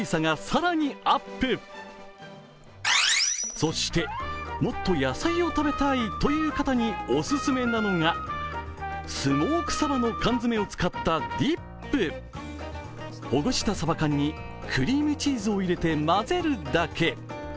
そして、もっと野菜を食べたいという方にお薦めなのがスモークさばの缶詰を使ったディップ。ほぐしたさば缶にクリームチーズを入れて混ぜるだけ。